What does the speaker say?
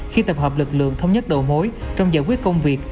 khi tập hợp lực lượng thống nhất đầu mối trong giải quyết công việc